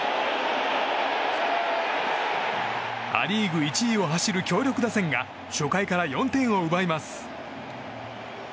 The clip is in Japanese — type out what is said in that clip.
ア・リーグ１位を走る強力打線が初回から４点を奪います。